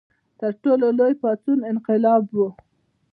تر ټولو لوی پاڅون انقلاب و.